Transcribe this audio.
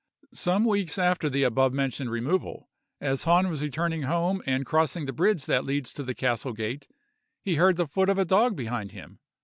Some weeks after the abovementioned removal, as Hahn was returning home and crossing the bridge that leads to the castle gate, he heard the foot of a dog behind him.